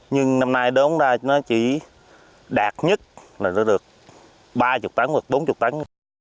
nhưng năm nay đúng ra nó chỉ đạt nhất là nó được ba mươi bốn mươi tấn